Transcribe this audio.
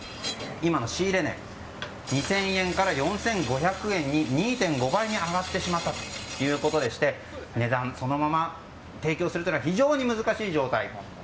今の仕入れ値、２０００円から４５００円に２．５倍に上がってしまったということで値段そのまま提供するというのは非常に難しい状態。